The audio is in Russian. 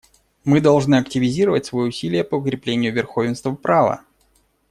Мы должны активизировать свои усилия по укреплению верховенства права.